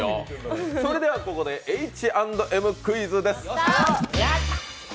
それではここでＨ＆Ｍクイズです。